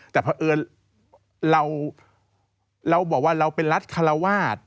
แต่เพราะเอิญเราบอกว่าเราเป็นรัฐคาราวาส